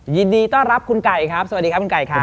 ยินดีต้อนรับคุณไก่ครับสวัสดีครับคุณไก่ครับ